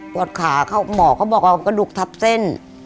ปวดขาหมอเขาบอกว่ากระดูกทับเส้น